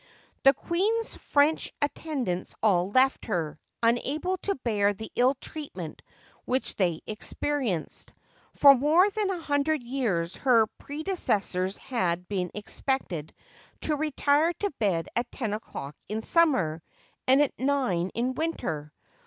The queen's French attendants all left her, unable to bear the ill treatment which they experienced. For more than a hundred years her predecessors had been expected to retire to bed at ten o'clock in summer, and at nine in winter.